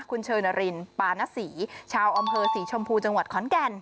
คุณเชยนารินปานศรีชาวอำเภอศรีชมพูจังหวัดขอนแก่น